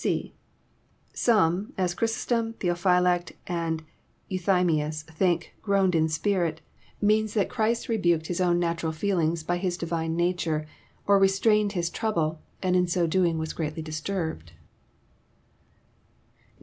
(e) Some, as Ohrysostom, Theophylact, and Enthymius, think <' groaned in spirit" means that Christ rebuked hLs own n JOHN, CHAP. XI. 273 natural feelings by His Divine nature, or restrained His trouble, and in so doing was greatly disturbed.